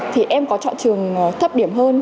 thì em có chọn trường thấp điểm hơn